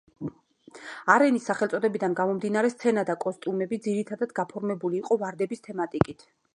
არენის სახელწოდებიდან გამომდინარე სცენა და კოსტუმები ძირითადად გაფორმებული იყო ვარდების თემატიკით.